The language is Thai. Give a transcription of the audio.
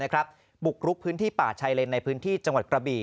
บุกรุกพื้นที่ป่าชายเลนในพื้นที่จังหวัดกระบี่